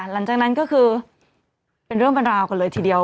หลังจากนั้นก็คือเป็นเรื่องเป็นราวกันเลยทีเดียว